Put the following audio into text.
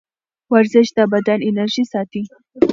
ورزش د بدن انرژي ساتي.